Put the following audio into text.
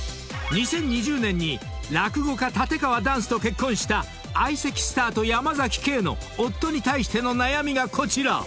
［２０２０年に落語家立川談洲と結婚した相席スタート山ケイの夫に対しての悩みがこちら］